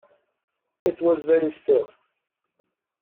It was very still.